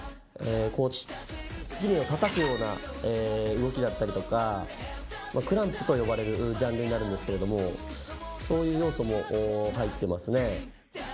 こう地面をたたくような動きだったりとかクランプと呼ばれるジャンルになるんですけれどもそういう要素も入ってますね。